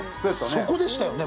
そこでしたよね。